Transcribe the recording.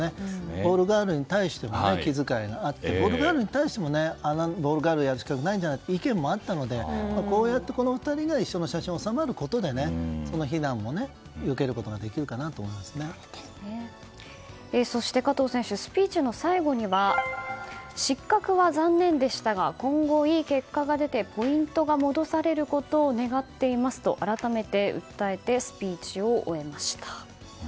ボールガールに対しても気遣いがあってボールガールに対してもボールガールをやる資格はないんじゃないかと意見もあったのでこうやってこの２人が一緒の写真に収まることでその非難も受けることがそして、加藤選手スピーチの最後には失格は残念でしたが今後いい結果が出てポイントが戻されることを願っていますと改めて訴えてスピーチを終えました。